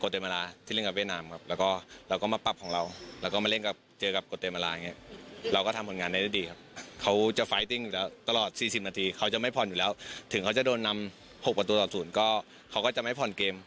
ถึงเขาจะโดนนำ๖ประตูต่อ๐ก็เขาก็จะไม่ผ่อนเกม